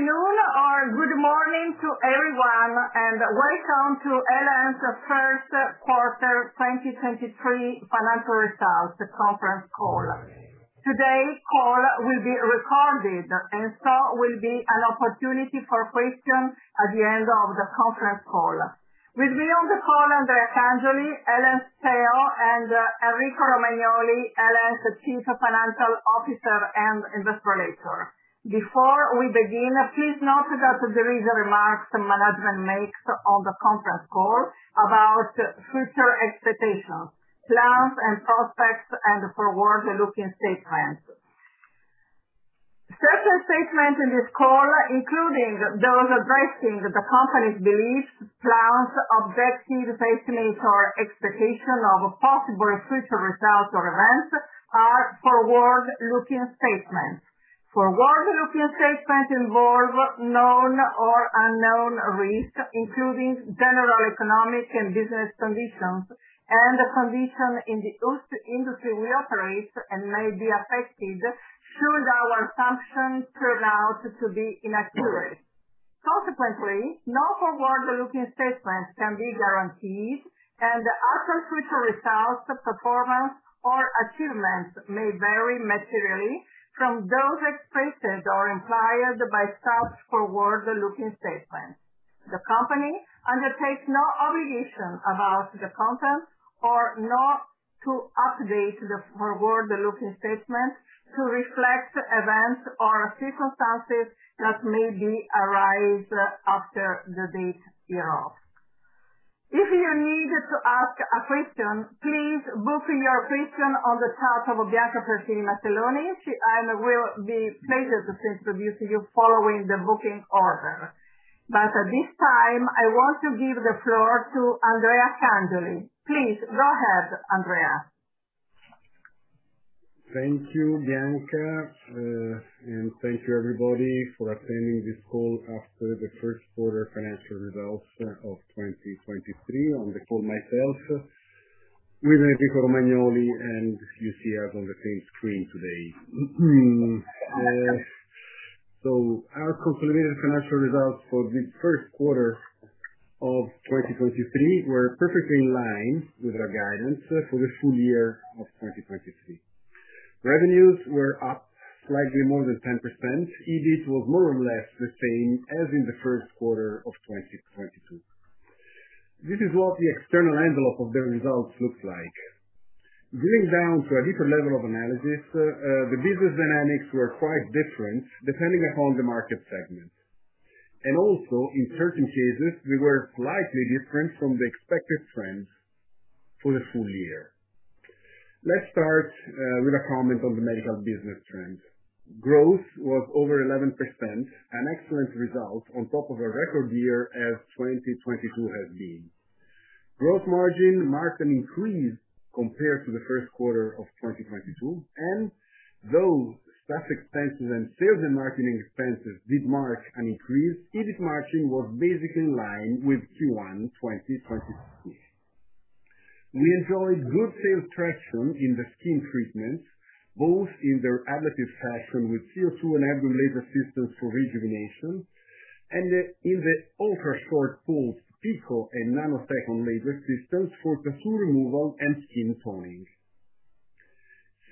Good afternoon or good morning to everyone, welcome to El.En's first quarter 2023 financial results conference call. Today's call will be recorded, will be an opportunity for questions at the end of the conference call. With me on the call, Andrea Cangioli, El.En's CEO, and Enrico Romagnoli, El.En's Chief Financial Officer and Investor Relations. Before we begin, please note that there is remarks management makes on the conference call about future expectations, plans and prospects, forward-looking statements. Certain statements in this call, including those addressing the company's beliefs, plans, objectives, beliefs or expectations of possible future results or events are forward-looking statements. Forward-looking statements involve known or unknown risks, including general economic and business conditions and the condition in the industry we operate and may be affected should our assumptions turn out to be inaccurate, Consequently, no forward-looking statements can be guaranteed and other future results, performance or achievements may vary materially from those expressed or implied by such forward-looking statements. The company undertakes no obligation about the content or not to update the forward-looking statements to reflect events or circumstances that may arise after the date hereof. If you need to ask a question, please book your question on the top of Barbara Poli. She will be pleased to introduce you following the booking order. At this time, I want to give the floor to Andrea Cangioli. Please go ahead, Andrea. Thank you, Bianca, and thank you everybody for attending this call after the first quarter financial results of 2023. On the call myself with Enrico Romagnoli, and you see us on the same screen today. Our consolidated financial results for the first quarter of 2023 were perfectly in line with our guidance for the full year of 2023. Revenues were up slightly more than 10%. EBIT was more or less the same as in the first quarter of 2022. This is what the external envelope of the results looks like. Drilling down to a deeper level of analysis, the business dynamics were quite different depending upon the market segment, and also in certain cases they were slightly different from the expected trends for the full year. Let's start with a comment on the medical business trends. Growth was over 11%, an excellent result on top of a record year as 2022 has been. Gross margin marked an increase compared to Q1 2022, and though staff expenses and sales and marketing expenses did mark an increase, EBIT margin was basically in line with Q1 2022. We enjoyed good sales traction in the skin treatments, both in the ablative section with CO2 and laser systems for rejuvenation, in the ultrashort pulse pico- and nanosecond laser systems for tattoo removal and skin toning.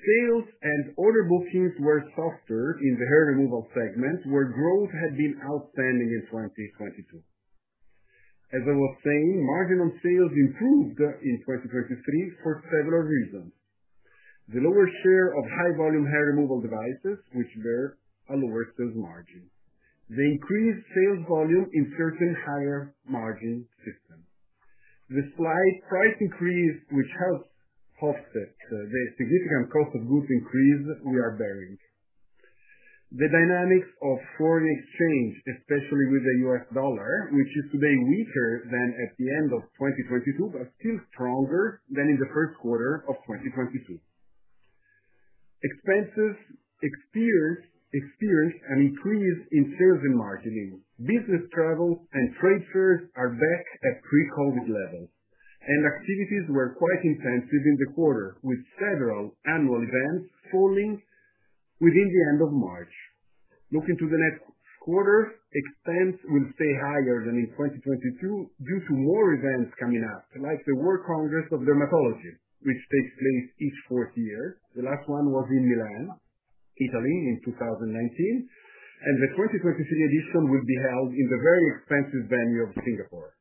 Sales and order bookings were softer in the hair removal segment, where growth had been outstanding in 2022. As I was saying, margin on sales improved in 2023 for several reasons. The lower share of high volume hair removal devices, which bear a lower sales margin. The increased sales volume in certain higher margin systems. The slight price increase, which helps offset the significant cost of goods increase we are bearing. The dynamics of foreign exchange, especially with the US dollar, which is today weaker than at the end of 2022, but still stronger than in the first quarter of 2022. Expenses experienced an increase in sales and marketing. Business travel and trade fairs are back at pre-COVID levels, and activities were quite intensive in the quarter, with several annual events falling within the end of March. Looking to the next quarters, expense will stay higher than in 2022 due to more events coming up, like the World Congress of Dermatology, which takes place each fourth year. The last one was in Milan, Italy in 2019, and the 2023 edition will be held in the very expensive venue of Singapore.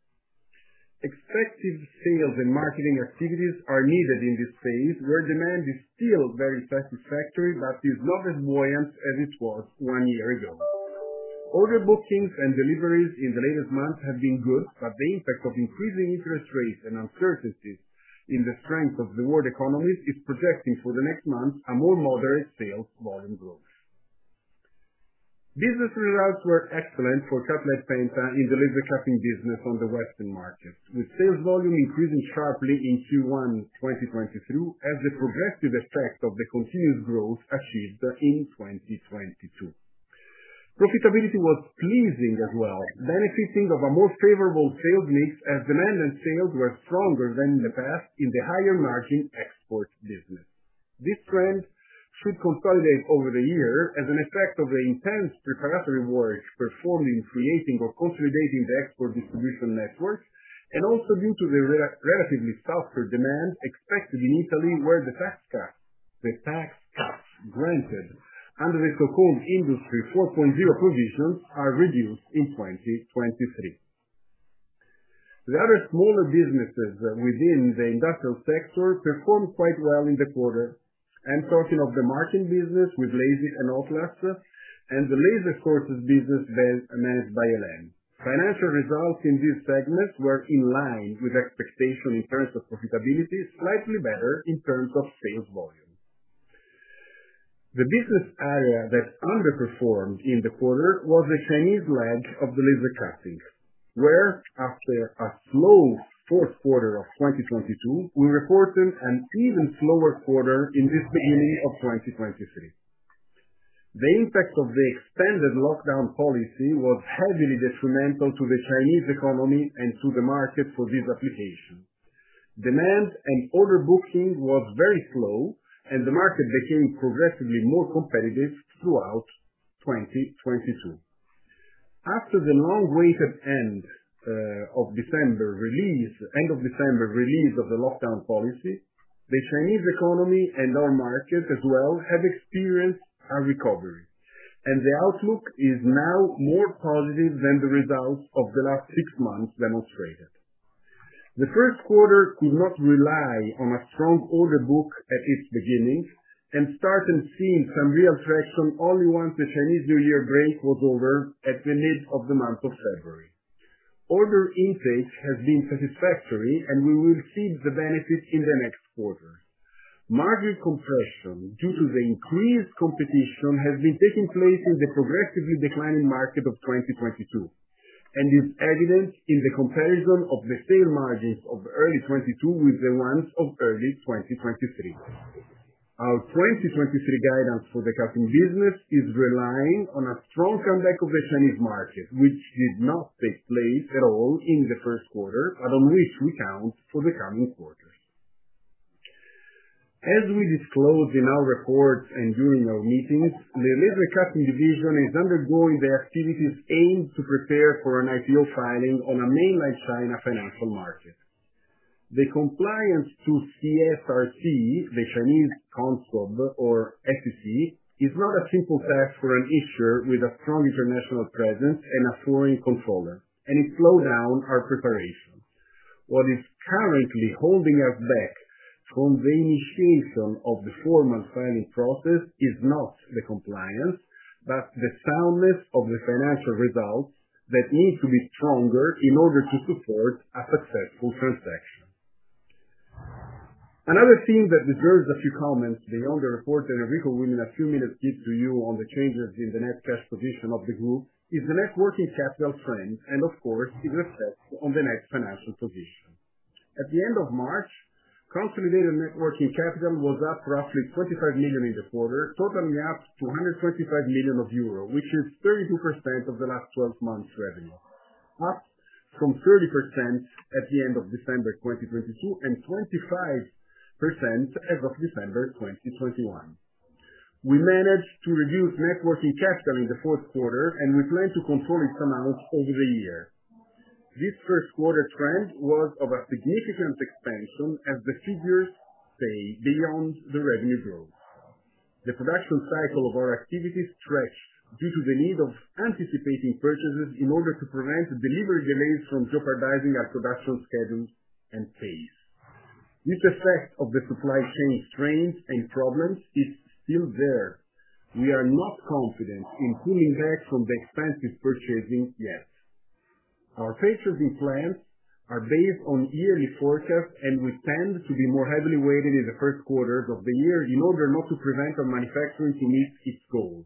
Expensive sales and marketing activities are needed in this phase, where demand is still very satisfactory, but is not as buoyant as it was one year ago. Order bookings and deliveries in the latest months have been good, but the impact of increasing interest rates and uncertainties in the strength of the world economy is projecting for the next month a more moderate sales volume growth. Business results were excellent for Cutlite Penta in the laser cutting business on the Western markets, with sales volume increasing sharply in Q1 2022, as the progressive effect of the continuous growth achieved in 2022. Profitability was pleasing as well, benefiting of a more favorable sales mix as demand and sales were stronger than the best in the higher margin export business. This trend should consolidate over the year as an effect of the intense preparatory work performed in creating or consolidating the export distribution networks, and also due to the relatively softer demand expected in Italy, where the tax cut granted under the so-called Industry 4.0 provisions are reduced in 2023. The other smaller businesses within the industrial sector performed quite well in the quarter. I'm talking of the marking business with Lasit and Oplas, and the laser sources business managed by LM. Financial results in these segments were in line with expectation in terms of profitability, slightly better in terms of sales volume. The business area that underperformed in the quarter was the Chinese leg of the laser cutting, where after a slow fourth quarter of 2022, we reported an even slower quarter in this beginning of 2023. The impact of the extended lockdown policy was heavily detrimental to the Chinese economy and to the market for this application. Demand and order booking was very slow, and the market became progressively more competitive throughout 2022. After the long-awaited end of December release of the lockdown policy, the Chinese economy and our markets as well have experienced a recovery, and the outlook is now more positive than the results of the last six months demonstrated. The first quarter could not rely on a strong order book at its beginning, and started seeing some real traction only once the Chinese New Year break was over at the mid of the month of February. Order intake has been satisfactory, and we will see the benefit in the next quarter. Margin compression due to the increased competition has been taking place in the progressively declining market of 2022, and is evident in the comparison of the sale margins of early 2022 with the ones of early 2023. Our 2023 guidance for the cutting business is relying on a strong comeback of the Chinese market, which did not take place at all in the first quarter, but on which we count for the coming quarters. As we disclosed in our reports and during our meetings, the laser cutting division is undergoing the activities aimed to prepare for an IPO filing on a Mainland China financial market. The compliance to CSRC, the Chinese Commission or SEC, is not a simple task for an issuer with a strong international presence and a foreign controller. It slowed down our preparation. What is currently holding us back from the initiation of the formal filing process is not the compliance, but the soundness of the financial results that need to be stronger in order to support a successful transaction. Another theme that deserves a few comments beyond the report that Enrico will in a few minutes give to you on the changes in the net cash position of the group is the net working capital trend. Of course, its effect on the net financial position. At the end of March, consolidated net working capital was up roughly 25 million in the quarter, totaling up to 125 million euro, which is 32% of the last 12 months revenue, up from 30% at the end of December 2022, and 25% as of December 2021. We managed to reduce net working capital in the fourth quarter. We plan to control its amount over the year. This first quarter trend was of a significant expansion as the figures stay beyond the revenue growth. The production cycle of our activities stretched due to the need of anticipating purchases in order to prevent delivery delays from jeopardizing our production schedules and pace. This effect of the supply chain strains and problems is still there. We are not confident in pulling back from the expensive purchasing yet. Our purchasing plans are based on yearly forecast and would tend to be more heavily weighted in the first quarters of the year in order not to prevent our manufacturing to meet its goals,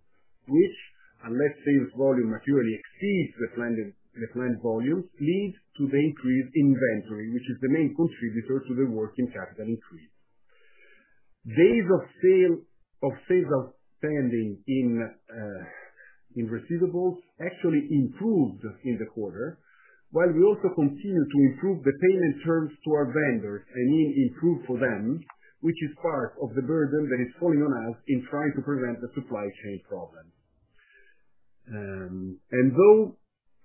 which, unless sales volume materially exceeds the planned, the planned volumes, leads to the increased inventory, which is the main contributor to the working capital increase. Days of sales outstanding in receivables actually improved in the quarter, while we also continued to improve the payment terms to our vendors, I mean improve for them, which is part of the burden that is falling on us in trying to prevent the supply chain problems. Though,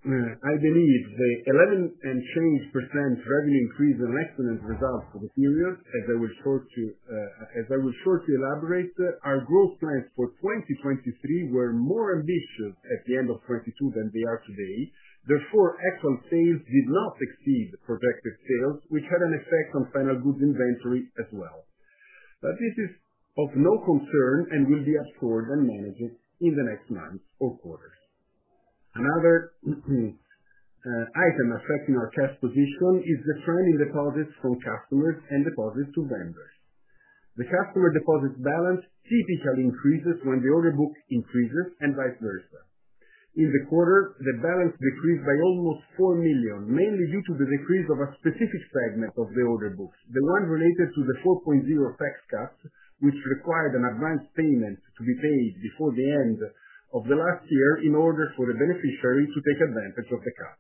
I believe the 11% and change revenue increase is an excellent result for the period, as I will shortly elaborate, our growth plans for 2023 were more ambitious at the end of 2022 than they are today. Therefore, actual sales did not exceed projected sales, which had an effect on final goods inventory as well. This is of no concern and will be absorbed and managed in the next months or quarters. Another item affecting our cash position is the trend in deposits from customers and deposits to vendors. The customer deposits balance typically increases when the order book increases and vice versa. In the quarter, the balance decreased by almost 4 million, mainly due to the decrease of a specific segment of the order books, the one related to the 4.0 tax cut, which required an advance payment to be paid before the end of the last year in order for the beneficiary to take advantage of the cut.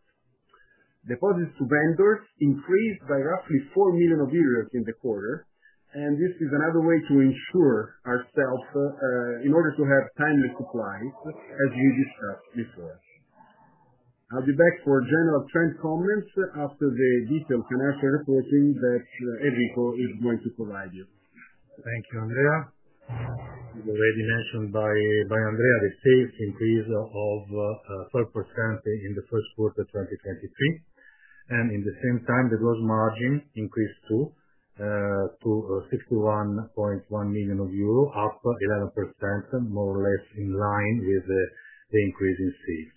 Deposits to vendors increased by roughly 4 million euros in the quarter, this is another way to ensure ourselves in order to have timely supplies, as we discussed before. I'll be back for general trend comments after the detailed financial reporting that Enrico is going to provide you. Thank you, Andrea. As already mentioned by Andrea, the sales increase of 12% in the first quarter of 2023. In the same time, the gross margin increased to 61.1 million euro, up 11%, more or less in line with the increase in sales.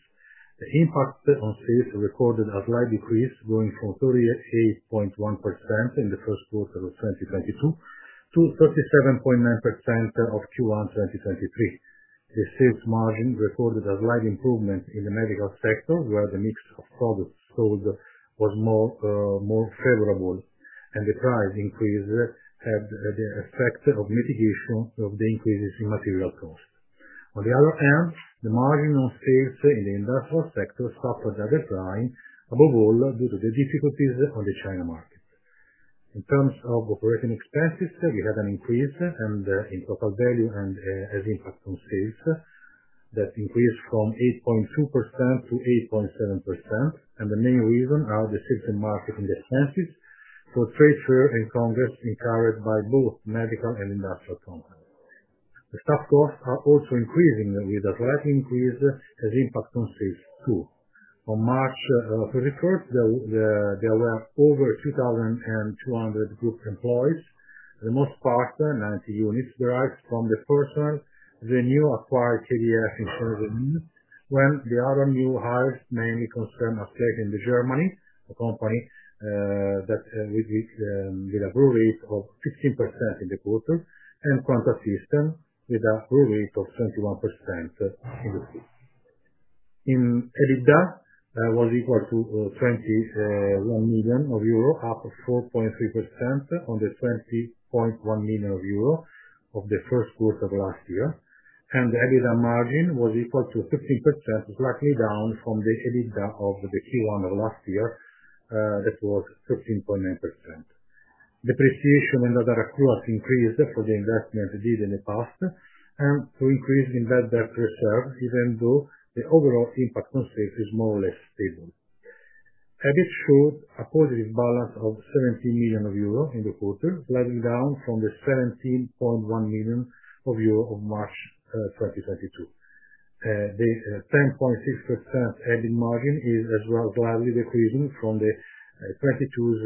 The impact on sales recorded a slight decrease, going from 38.1% in the first quarter of 2022 to 37.9% of Q1 2023. The sales margin recorded a slight improvement in the medical sector, where the mix of products sold was more favorable, and the price increase had the effect of mitigation of the increases in material costs. On the other hand, the margin on sales in the industrial sector suffered a decline, above all due to the difficulties on the China market. In terms of operating expenses, we have an increase in total value and as impact on sales that increased from 8.2% to 8.7%. The main reason are the system marketing expenses for trade show and congresses encouraged by both medical and industrial customers. The staff costs are also increasing with a slight increase as impact on sales too. On March 31st there were over 2,200 group employees. The most part, 90 units, derives from the personnel the new acquired KDS in Switzerland, while the other new hires mainly concern Atec in Germany, a company that with a growth rate of 15% in the quarter, and Quanta System with a growth rate of 21% in the quarter. In EBITDA, was equal to 21 million euro, up 4.3% on the 20.1 million euro of the first quarter of last year. The EBITDA margin was equal to 15%, slightly down from the EBITDA of the Q1 of last year, that was 13.9%. Depreciation and other accruals increased for the investment we did in the past and to increase in bad debt reserve, even though the overall impact on sales is more or less stable. EBIT showed a positive balance of 17 million euro in the quarter, slightly down from the 17.1 million euro of March, 2022. The 10.6% EBIT margin is as well slightly decreasing from the, 2022's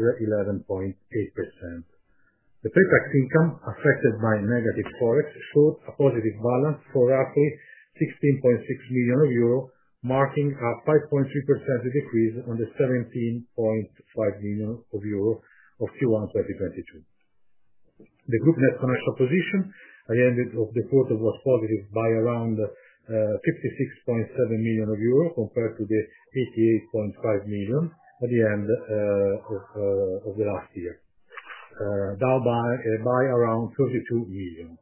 11.8%. The pre-tax income affected by negative Forex showed a positive balance for roughly 16.6 million euro, marking a 5.3% decrease on the 17.5 million euro of Q1 2022. The group net commercial position at the end of the quarter was positive by around 56.7 million euro, compared to the 88.5 million at the end of the last year, down by around 32 million.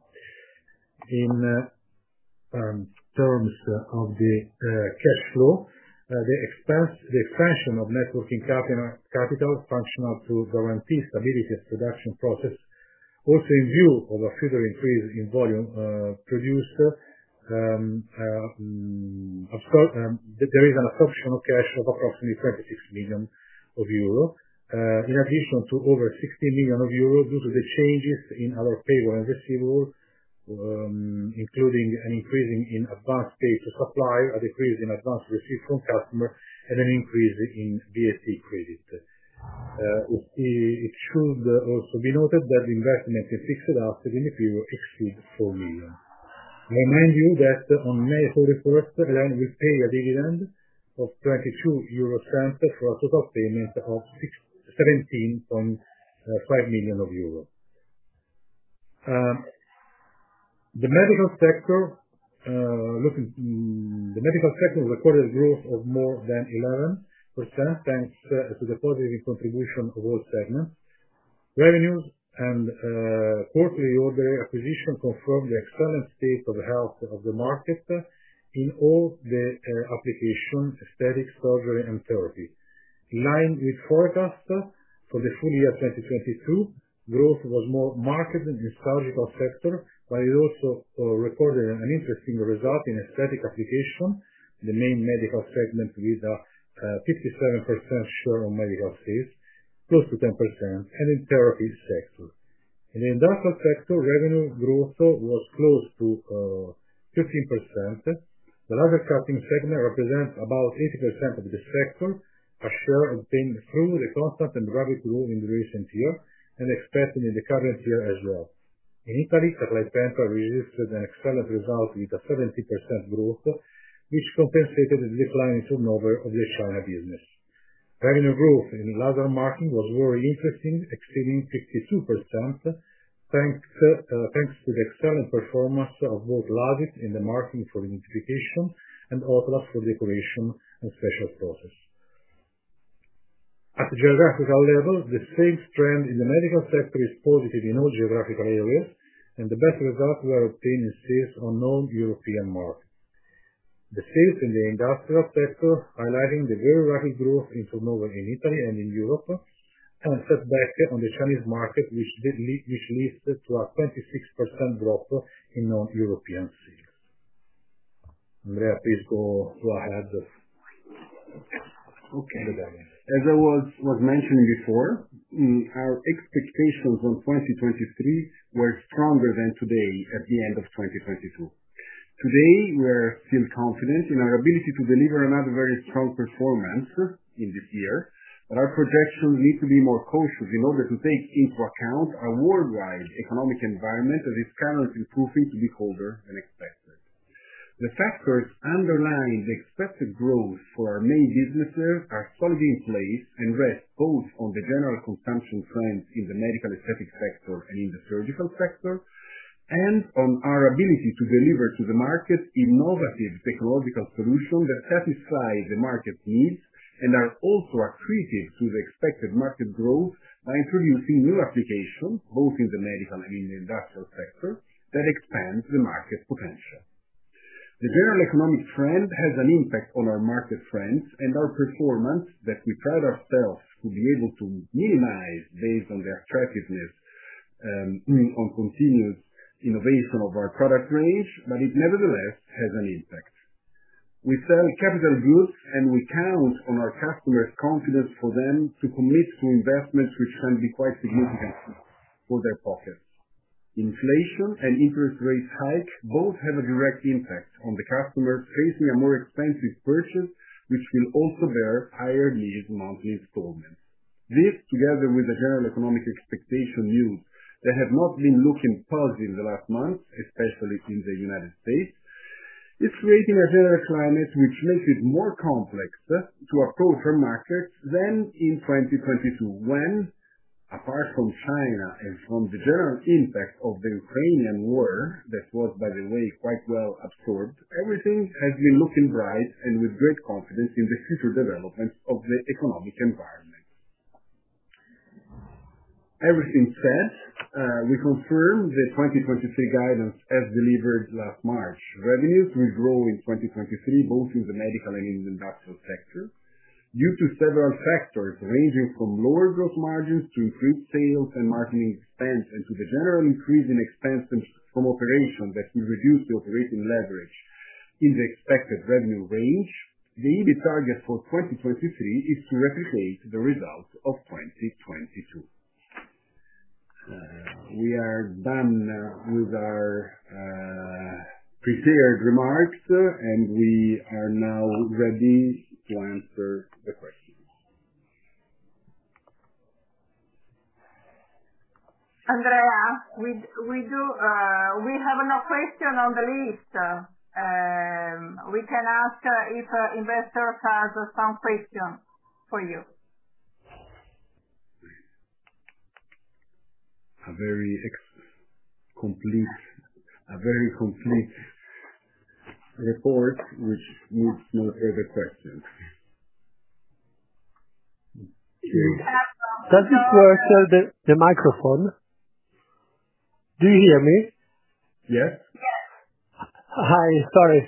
In terms of the cash flow, the expansion of net working capital functional to guarantee stability of production process, also in view of a further increase in volume produced, there is an absorption of cash of approximately 36 million euro, in addition to over 60 million euro due to the changes in our payable and receivable, including an increasing in advanced pay to supplier, a decrease in advanced receipt from customer, and an increase in VAT credit. It should also be noted that investment in fixed assets in the period exceed 4 million. I remind you that on May 31st, the group will pay a dividend of 0.22 for a total payment of 17.5 million euros. The medical sector, looking... The medical sector recorded growth of more than 11%, thanks to the positive contribution of all segments. Revenues and quarterly order acquisition confirm the excellent state of health of the market in all the applications: aesthetics, surgery and therapy. In line with forecast for the full year 2022, growth was more marked in the surgical sector, but it also recorded an interesting result in aesthetic application. The main medical segment with a 57% share of medical sales, close to 10% and in therapy sector. In industrial sector, revenue growth was close to 13%. The laser cutting segment represents about 80% of the sector, a share obtained through the constant and rapid growth in recent year and expected in the current year as well. In Italy, Cutlite Penta registered an excellent result with a 70% growth, which compensated the decline in turnover of the China business. Revenue growth in laser marking was very interesting, exceeding 62%, thanks to the excellent performance of both Lasit in the marking for identification and Ot-Las for decoration and special process. The sales trend in the medical sector is positive in all geographical areas, the best results were obtained in sales on non-European markets. The sales in the industrial sector, highlighting the very rapid growth in turnover in Italy and in Europe, set back on the Chinese market, which leads to a 26% drop in non-European sales. Andrea, please go ahead. Okay. As I was mentioning before, our expectations on 2023 were stronger than today at the end of 2022. Today, we're still confident in our ability to deliver another very strong performance in this year, our projections need to be more cautious in order to take into account a worldwide economic environment that is currently proving to be colder than expected. The factors underlying the expected growth for our main businesses are solidly in place, and rest both on the general consumption trends in the medical aesthetic sector and in the surgical sector, and on our ability to deliver to the market innovative technological solutions that satisfy the market needs, and are also accretive to the expected market growth by introducing new applications, both in the medical and in the industrial sector, that expand the market potential. The general economic trend has an impact on our market trends and our performance, that we pride ourselves to be able to minimize based on the attractiveness, on continuous innovation of our product range, but it nevertheless has an impact. We sell capital goods, and we count on our customers' confidence for them to commit to investments which can be quite significant for their pockets. Inflation and interest rate hikes both have a direct impact on the customers facing a more expensive purchase, which will also bear higher lease monthly installments. This, together with the general economic expectation news that have not been looking positive in the last months, especially in the United States, is creating a general climate which makes it more complex to approach our markets than in 2022, when, apart from China and from the general impact of the Ukrainian war, that was by the way, quite well absorbed. Everything had been looking bright and with great confidence in the future development of the economic environment. Everything said, we confirm the 2023 guidance as delivered last March. Revenues will grow in 2023, both in the medical and in the industrial sector. Due to several factors ranging from lower gross margins to increased sales and marketing expense, to the general increase in expenses from operations that will reduce the operating leverage in the expected revenue range, the EBITDA target for 2023 is to replicate the results of 2022. We are done now with our prepared remarks. We are now ready to answer the questions. Andrea, we do, we have no question on the list. We can ask if investor has some question for you. A very complete report which needs no further questions. Okay. Test the microphone. Do you hear me? Yes. Yes. Hi, sorry.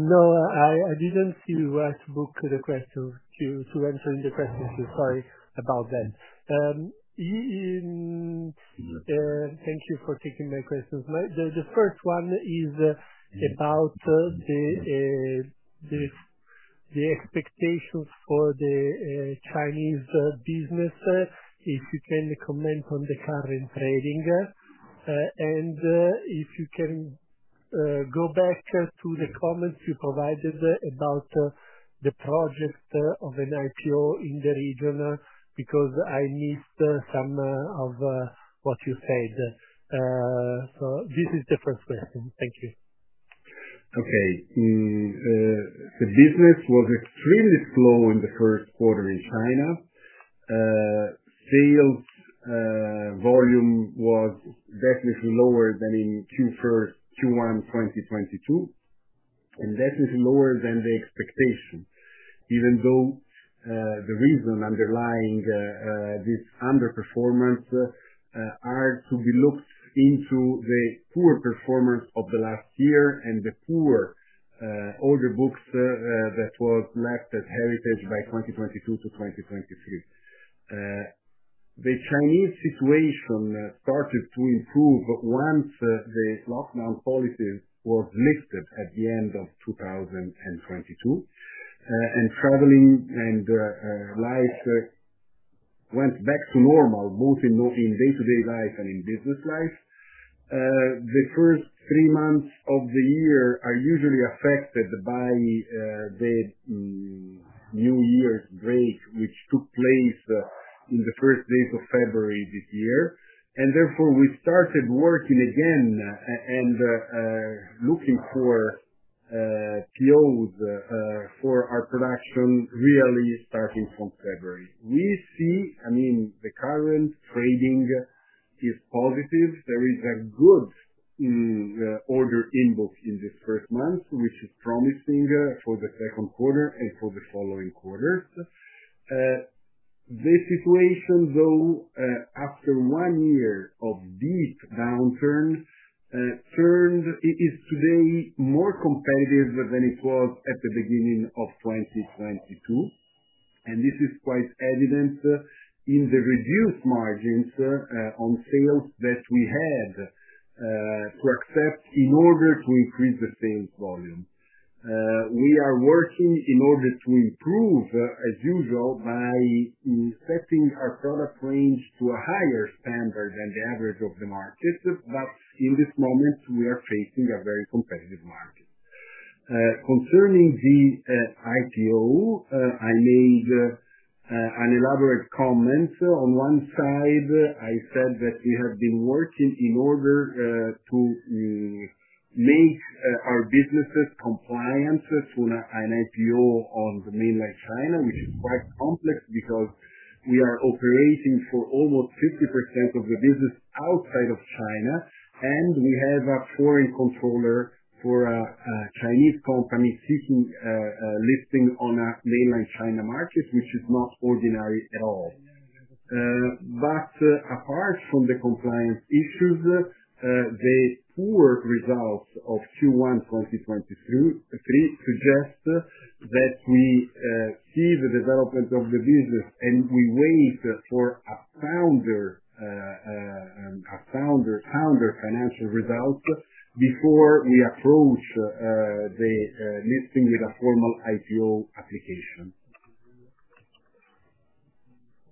No, I didn't see who has booked the question to answering the questions. Sorry about that. Thank you for taking my questions. The first one is about the expectations for the Chinese business. If you can comment on the current trading. If you can go back to the comments you provided about the project of an IPO in the region, because I missed some of what you said. This is the first question. Thank you. Okay. The business was extremely slow in the first quarter in China. Sales volume was definitely lower than in Q1 2022, and definitely lower than the expectation. Even though, the reason underlying this underperformance are to be looked into the poor performance of the last year and the poor order books that was left as heritage by 2022 to 2023. The Chinese situation started to improve once the lockdown policies was lifted at the end of 2022. Traveling and life went back to normal, both in day-to-day life and in business life. The first three months of the year are usually affected by the New Year's break, which took place in the first days of February this year. We started working again and looking for POs for our production, really starting from February. I mean, the current trading is positive. There is a good order inbox in this 1st month, which is promising for the 2nd quarter and for the following quarters. The situation though, after one year of deep downturn, turned, it is today more competitive than it was at the beginning of 2022. This is quite evident in the reduced margins on sales that we have to accept in order to increase the sales volume. We are working in order to improve, as usual by setting our product range to a higher standard than the average of the market. In this moment we are facing a very competitive market. Concerning the IPO, I made an elaborate comment. On one side, I said that we have been working in order to make our businesses compliant for an IPO on the mainland China, which is quite complex because we are operating for almost 50% of the business outside of China, and we have a foreign controller for a Chinese company seeking a listing on a mainland China market, which is not ordinary at all. Apart from the compliance issues, the poor results of Q1 2023 suggests that we see the development of the business, and we wait for a sounder financial results before we approach the listing with a formal IPO application.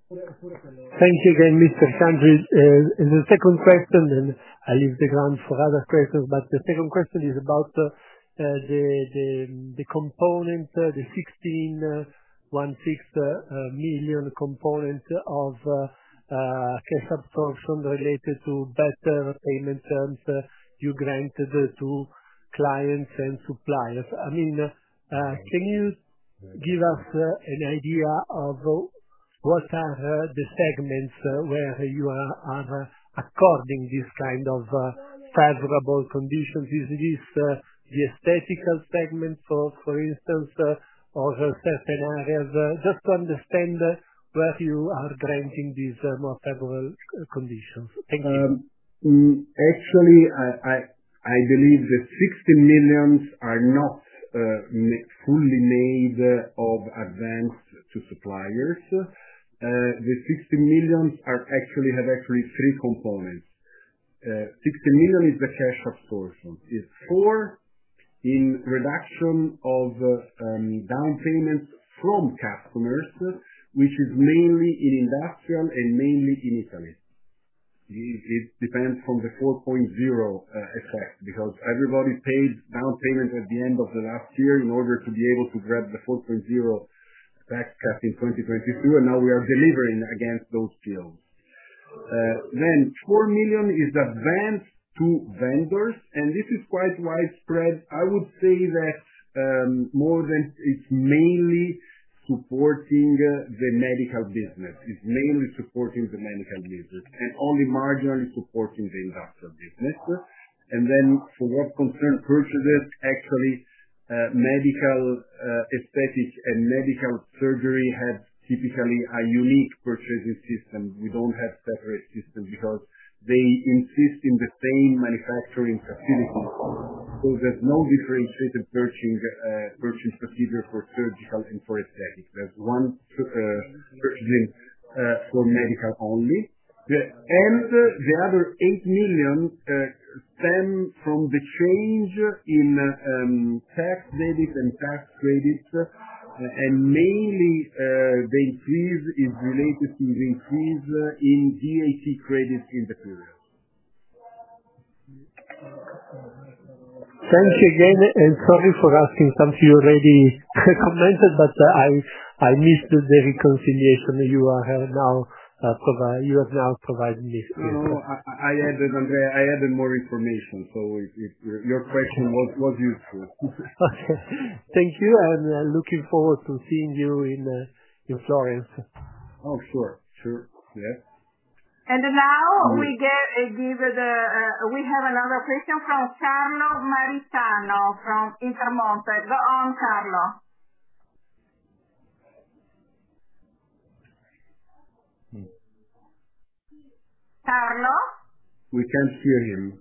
Thank you again, Paolo Salvadeo. The second question, I leave the ground for other questions, but the second question is about the component, the 16 one-sixth million component of cash absorption related to better payment terms you granted to clients and suppliers. I mean, can you give us an idea of what are the segments where you are according this kind of favorable conditions? Is this the aesthetical segment, for instance, or certain areas? Just to understand where you are granting these more favorable conditions. Thank you. Actually, I, I believe the 60 million are not fully made of advance to suppliers. The 60 million actually have three components. 60 million is the cash absorption. It's 4 million in reduction of down payments from customers, which is mainly in industrial and mainly in Italy. It depends from the Industry 4.0 effect because everybody paid down payment at the end of the last year in order to be able to grab the Industry 4.0 tax cut in 2022, and now we are delivering against those deals. 4 million is advanced to vendors, and this is quite widespread. I would say that more than it's mainly supporting the medical business. It's mainly supporting the medical business and only marginally supporting the industrial business. For what concern purchases, actually, medical, aesthetic and medical surgery have typically a unique purchasing system. We don't have separate system because they insist in the same manufacturing facilities. There's no differentiated purchasing procedure for surgical and for aesthetic. There's one purchasing for medical only. The other 8 million stem from the change in tax debit and tax credits, and mainly, the increase is related to the increase in VAT credits in the period. Thank you again. Sorry for asking something you already commented, I missed the reconciliation you have now provided me. No, no. I added, Andrea, I added more information. Your question was useful. Okay. Thank you, and looking forward to seeing you in Florence. Oh, sure. Sure. Yeah. Now we have another question from Carlo Maritano from Intermonte. Go on, Carlo. Carlo? We can't hear him.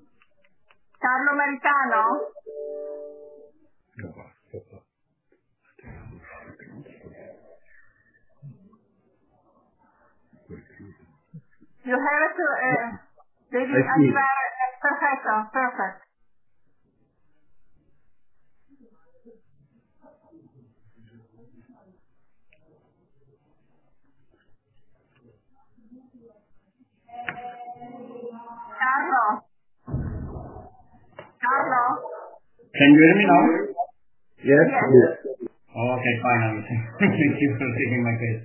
Carlo Maritano? You have to, maybe unmute. I think- It's perfect. Carlo? Can you hear me now? Yes. Yes. Okay, fine. Thank you for taking my case.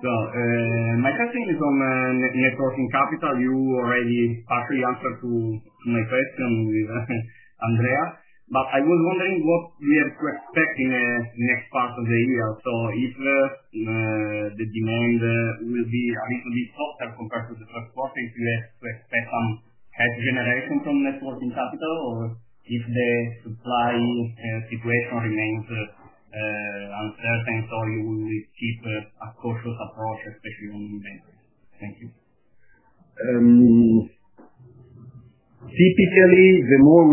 My question is on net-net working capital. You already partly answered to my question with Andrea, but I was wondering what we are to expect in the next part of the year. If the demand will be a little bit softer compared to the first quarter, if we are to expect some cash generation from net working capital or if the supply situation remains uncertain, so you will keep a cautious approach, especially on inventory? Thank you. Typically, the more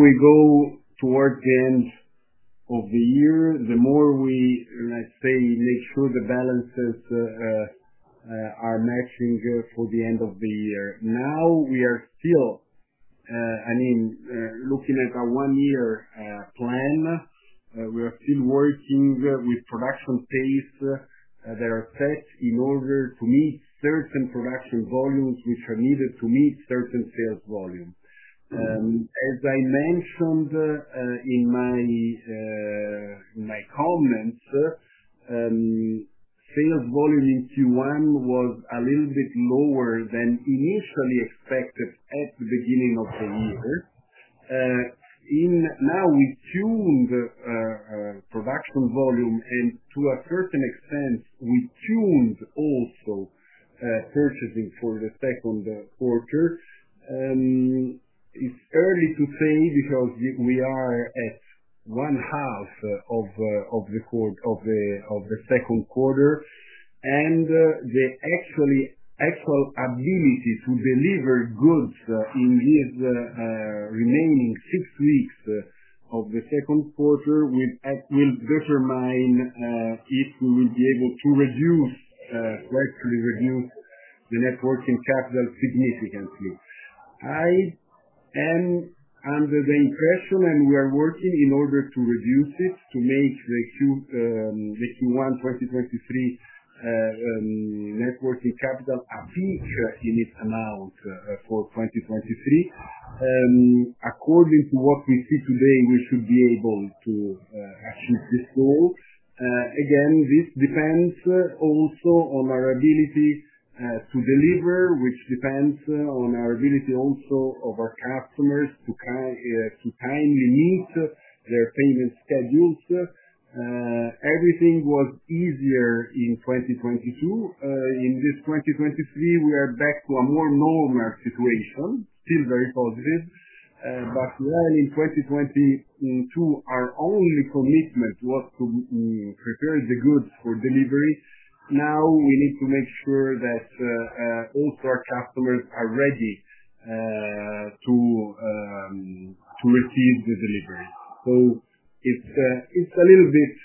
we, let's say, make sure the balances are matching for the end of the year. Now we are still, I mean, looking at our one-year plan. We are still working with production pace that are set in order to meet certain production volumes which are needed to meet certain sales volume. As I mentioned in my comments, sales volume in Q1 was a little bit lower than initially expected at the beginning of the year. Now we've tuned production volume and to a certain extent, we tuned also purchasing for the second quarter, and it's early to say because we are at one half of the second quarter. The actual ability to deliver goods in these 6 weeks of the second quarter will determine if we will be able to reduce, drastically reduce the net working capital significantly. I am under the impression, and we are working in order to reduce it, to make the Q1 2023 net working capital a peak in its amount for 2023. According to what we see today, we should be able to achieve this goal. Again, this depends also on our ability to deliver, which depends on our ability also of our customers to timely meet their payment schedules. Everything was easier in 2022. In this 2023, we are back to a more normal situation, still very positive. While in 2022 our only commitment was to prepare the goods for delivery, now we need to make sure that also our customers are ready to receive the delivery. It's a little bit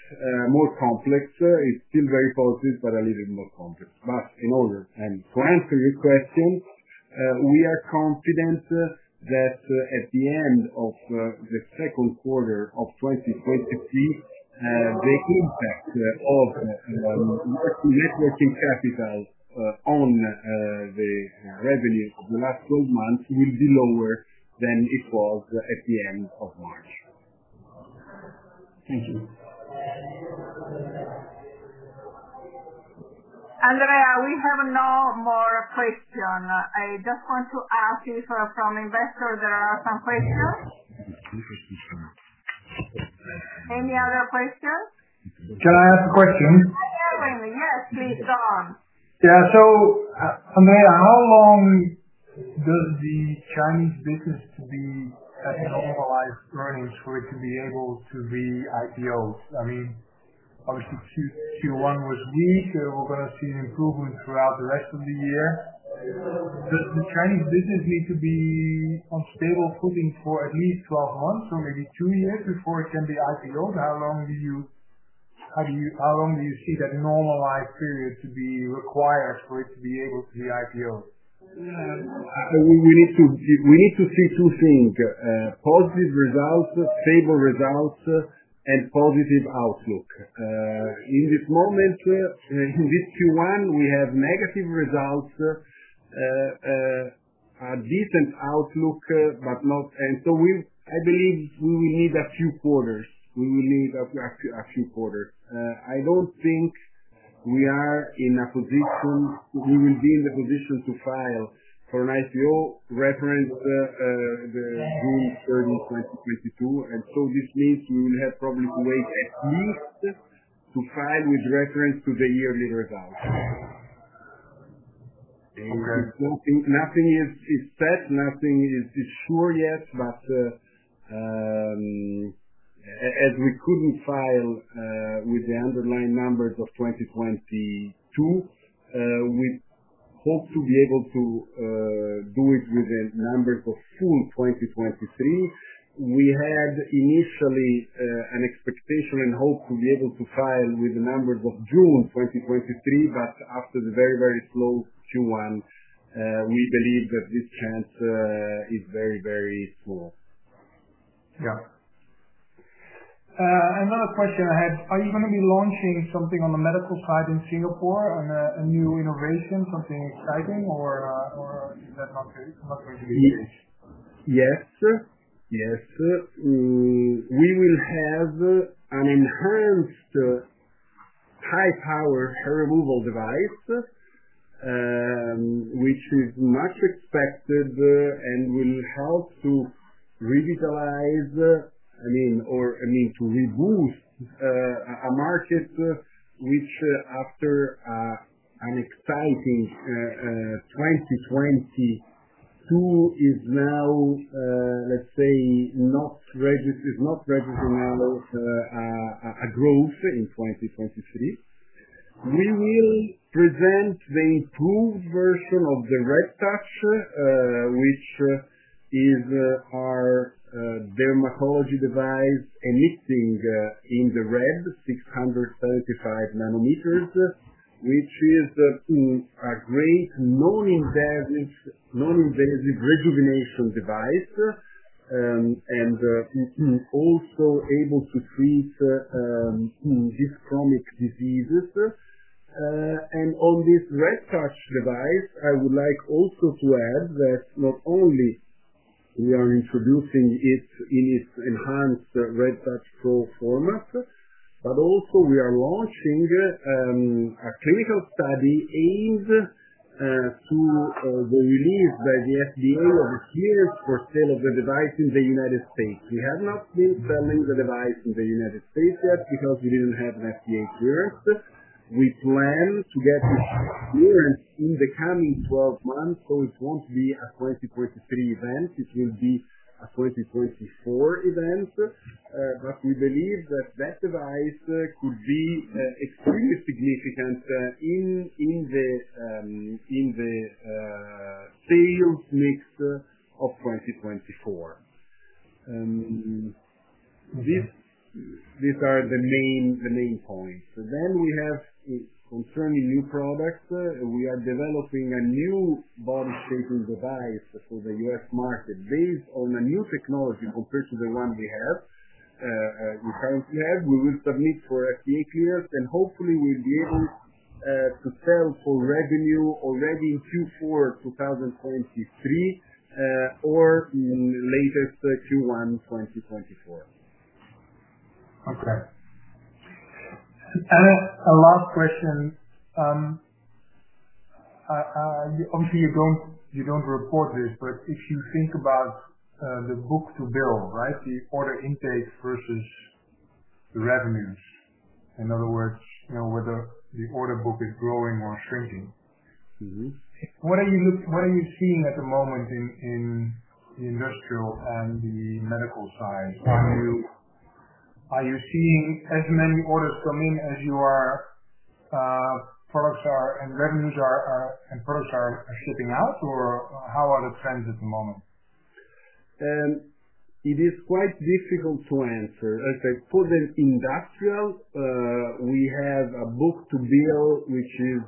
more complex. It's still very positive, but a little bit more complex. In order to answer your question, we are confident that at the end of the second quarter of 2023, the impact of net working capital on the revenue of the last 12 months will be lower than it was at the end of March. Thank you. Andrea, we have no more question. I just want to ask you for from investor there are some questions. Any other questions? Can I ask a question? I have one. Yes, please. Go on. Yeah. Andrea, how long does the Chinese business to be at normalized earnings for it to be able to be IPOs? I mean, obviously Q1 was weak. We're gonna see an improvement throughout the rest of the year. Does the Chinese business need to be on stable footing for at least 12 months or maybe two years before it can be IPOd? How long do you see that normalized period to be required for it to be able to be IPO? Yeah. We need to see two things: positive results, stable results, and positive outlook. In this moment, in this Q1, we have negative results, a decent outlook, but not... I believe we will need a few quarters. We will need a few quarters. I don't think we are in the position to file for an IPO reference, the June 30, 2022. This means we will have probably to wait at least to file with reference to the yearly results. Okay. Nothing is set, nothing is sure yet, as we couldn't file with the underlying numbers of 2022, we hope to be able to do it with the numbers of full 2023. We had initially an expectation and hope to be able to file with the numbers of June 2023, after the very, very slow Q1, we believe that this chance is very, very small. Yeah. another question I had: Are you gonna be launching something on the medical side in Singapore on a new innovation, something exciting or is that not going to be the case? Yes. Yes. We will have an enhanced high-power hair removal device, which is much expected, and will help to revitalize, I mean, or to reboost a market which after an exciting 2022 is now, let's say, not registering a growth in 2023. We will present the improved version of the Red Touch, which is our dermatology device emitting in the red 675 nanometers, which is a great non-invasive rejuvenation device. And also able to treat dyschromic diseases. On this Red Touch device, I would like also to add that not only we are introducing it in its enhanced RedTouch PRO format, but also we are launching a clinical study aimed to the release by the FDA of the clearance for sale of the device in the United States. We have not been selling the device in the United States yet because we didn't have an FDA clearance. We plan to get this clearance in the coming 12 months, so it won't be a 2023 event. It will be a 2024 event. We believe that that device could be extremely significant in the sales mix of 2024. These are the main points. We have concerning new products. We are developing a new body shaping device for the U.S. market based on a new technology compared to the one we have, we currently have. We will submit for FDA clearance, and hopefully we'll be able to sell for revenue already in Q4 2023, or latest Q1 2024. Okay. A last question. Obviously you don't report this, but if you think about the book-to-bill, right? The order intake versus the revenues. In other words, you know, whether the order book is growing or shrinking. What are you seeing at the moment in the industrial and the medical side? Are you, are you seeing as many orders come in as you are, products are, and revenues are, and products are shipping out? Or how are the trends at the moment? It is quite difficult to answer. I say for the industrial, we have a book-to-bill, which is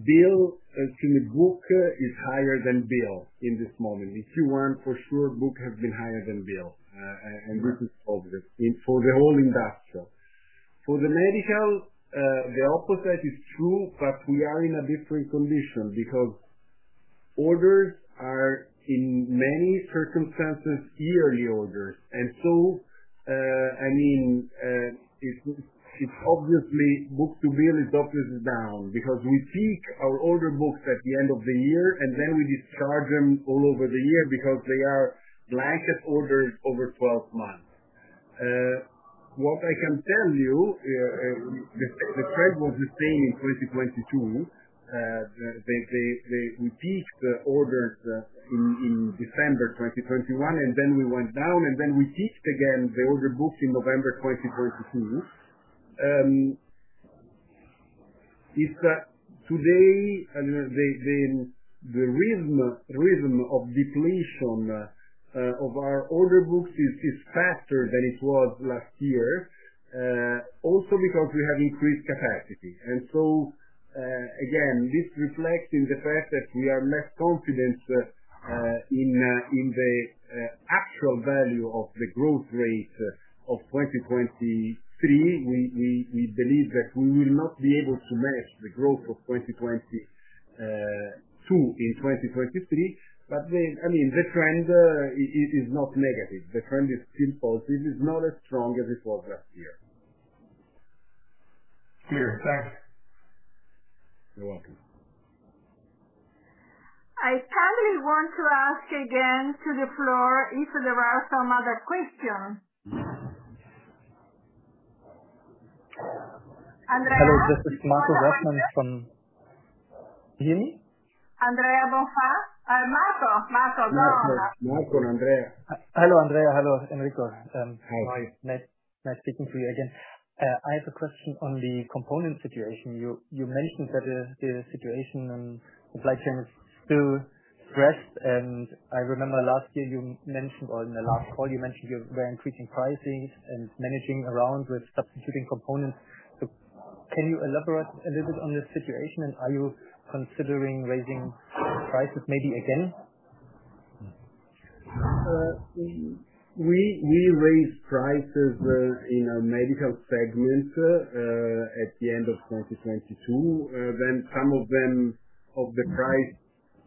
bill, actually book is higher than bill in this moment. Q1 for sure book has been higher than bill. This is obvious in, for the whole industrial. For the medical, the opposite is true, but we are in a different condition because orders are, in many circumstances, yearly orders. I mean, it's obviously book-to-bill is obviously down because we peak our order books at the end of the year, and then we discharge them all over the year because they are blanket orders over 12 months. What I can tell you, the trend was the same in 2022. We peaked orders in December 2021, we went down, we peaked again the order books in November 2022. It's today the rhythm of depletion of our order books is faster than it was last year also because we have increased capacity. Again, this reflects in the fact that we are less confident in the actual value of the growth rate of 2023. We believe that we will not be able to match the growth of 2022 in 2023, I mean the trend it is not negative. The trend is still positive. It's not as strong as it was last year. Clear. Thanks. You're welcome. I kindly want to ask again to the floor if there are some other questions. Andrea? Hello, this is from Mediobanca. Andrea Bonfà. Marco. Marco, go. Marco and Andrea. Hello, Andrea. Hello, Enrico. How are you? Hi. Nice, nice speaking to you again. I have a question on the component situation. You mentioned that the situation and supply chain is still stressed. I remember last year you mentioned, or in the last call you mentioned you were increasing pricing and managing around with substituting components. Can you elaborate a little bit on the situation, and are you considering raising prices maybe again? We raised prices in our medical segment at the end of 2022. Some of the price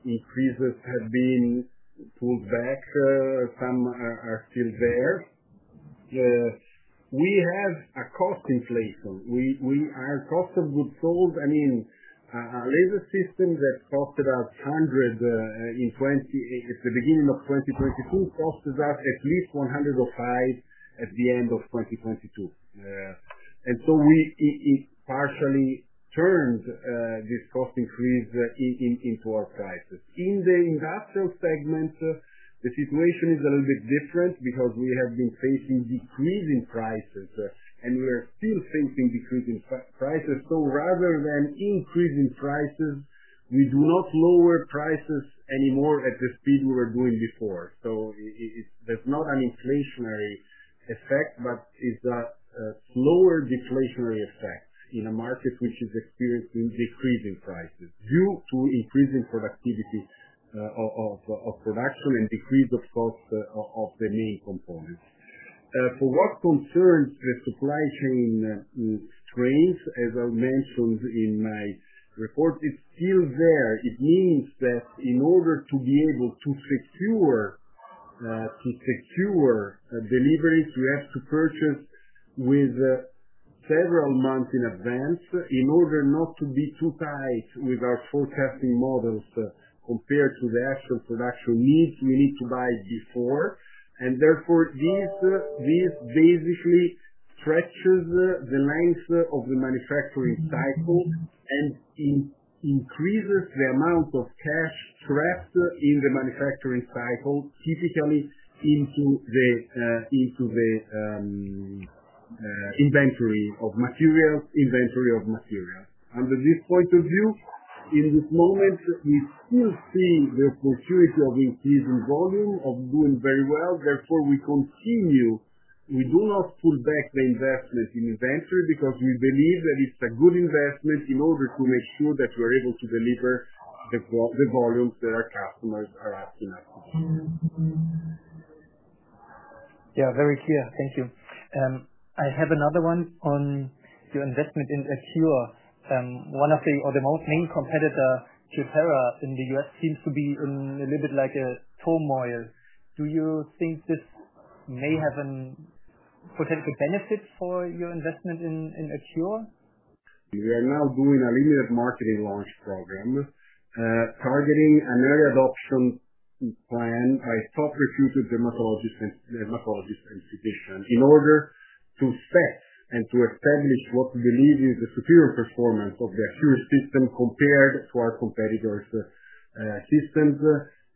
increases have been pulled back. Some are still there. We have a cost inflation. We have cost of goods sold. I mean, a laser system that costed us 100 at the beginning of 2022, costed us at least 105 at the end of 2022. It partially turns this cost increase into our prices. In the industrial segment, the situation is a little bit different because we have been facing decreasing prices, and we are still facing decreasing prices. Rather than increasing prices, we do not lower prices anymore at the speed we were doing before. It, there's not an inflationary effect, but it's a slower deflationary effect in a market which is experiencing decreasing prices due to increasing productivity of production and decrease of cost of the main components. For what concerns the supply chain strains, as I mentioned in my report, it's still there. It means that in order to be able to secure to secure deliveries, we have to purchase with several months in advance. In order not to be too tight with our forecasting models compared to the actual production needs, we need to buy before, and therefore this basically stretches the length of the manufacturing cycle and increases the amount of cash trapped in the manufacturing cycle, typically into the inventory of materials. Under this point of view, in this moment, we still see the possibility of increasing volume of doing very well. We continue. We do not pull back the investment in inventory because we believe that it's a good investment in order to make sure that we are able to deliver the volumes that our customers are asking us. Yeah. Very clear. Thank you. I have another one on your investment in Accure. One of the, or the most main competitor to Terra in the U.S. seems to be in a little bit like a turmoil. Do you think this may have an potential benefit for your investment in Accure? We are now doing a limited marketing launch program, targeting an early adoption plan by top recruited dermatologists and physicians in order to set and to establish what we believe is the superior performance of the Accure system compared to our competitors', systems,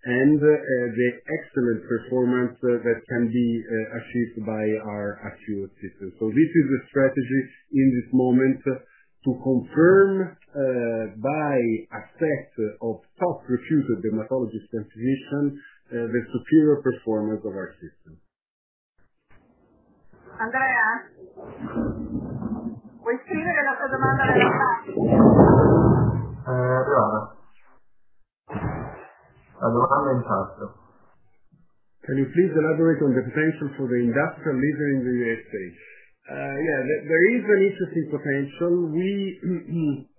and the excellent performance that can be achieved by our Accure system. Andrea, we're finished. Go on. Can you please elaborate on the potential for the industrial laser in the USA? Yeah, there is an interesting potential. We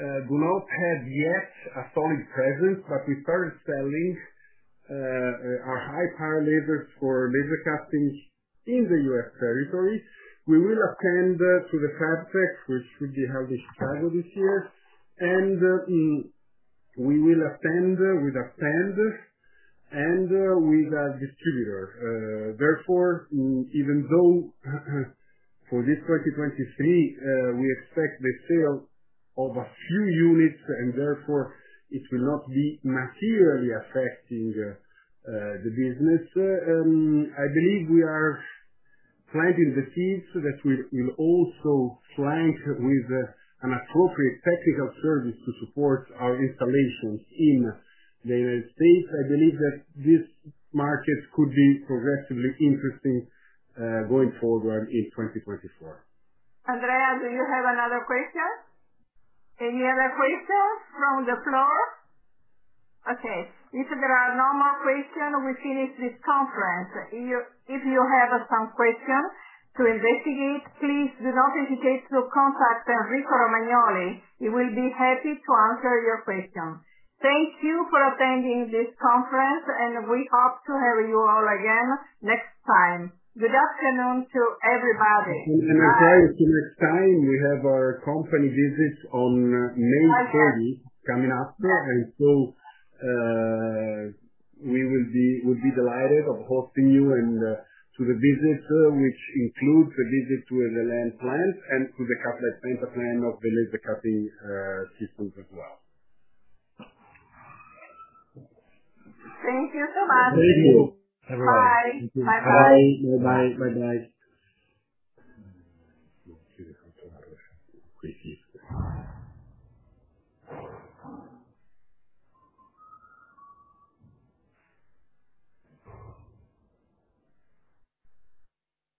do not have yet a solid presence, but we started selling our high power lasers for laser cutting in the U.S. territory. We will attend to the FABTECH, which will be held in Chicago this year. We will attend with a stand and with a distributor. Therefore, even though for this 2023, we expect the sale of a few units, it will not be materially affecting the business. I believe we are planting the seeds that we'll also flank with an appropriate package of service to support our installations in the United States.I believe that this market could be progressively interesting, going forward in 2024. Andrea, do you have another question? Any other questions from the floor? Okay. If there are no more questions, we finish this conference. If you have some questions to investigate, please do not hesitate to contact Enrico Romagnoli. He will be happy to answer your questions. Thank you for attending this conference, and we hope to have you all again next time. Good afternoon to everybody. Bye. I might say, see you next time. We have our company visit on May 30 coming up. We will be delighted of hosting you and to the visit, which includes a visit to the Calenzano plant and to the Cutlite Penta plant of the laser cutting systems as well. Thank you so much. Thank you. Bye. Bye. Bye-bye. Bye-bye.